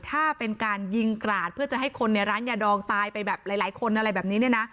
ถ้าเป็นการยิงกราดเพื่อจะให้คนในร้านยาดองตายไปแบบหลายคนอะไรแบบนี้เนี่ยนะ